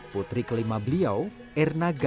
putri kelima beliau erna gajah